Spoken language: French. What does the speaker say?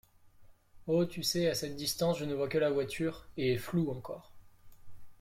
Oh, tu sais, à cette distance je ne vois que la voiture, et floue, encore.